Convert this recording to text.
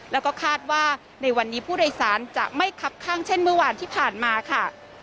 แล้วก็คาดว่าในวันนี้ผู้โดยสารจะไม่คับข้างเช่นเมื่อวานที่ผ่านมาค่ะ